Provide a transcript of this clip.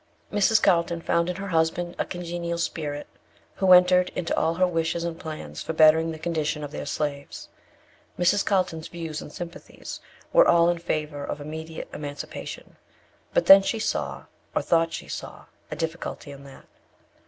Mrs. Carlton found in her husband a congenial spirit, who entered into all her wishes and plans for bettering the condition of their slaves. Mrs. Carlton's views and sympathies were all in favour of immediate emancipation; but then she saw, or thought she saw, a difficulty in that.